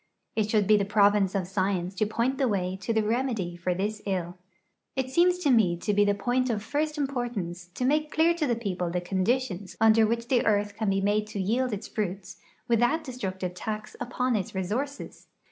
It should he the province of science to point the way to the remedy for this ill. It seems to me to he the }>oint of first importance to make clear to the peoi)le the conditions under which the earth can he made to yield its fruits without destructive tax upon its resources.